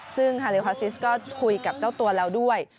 ซึ่งฮาเลคอซิสก็คุยกับเจ้าตัวแล้วด้วย